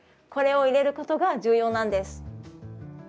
これを入れることが重要なんです。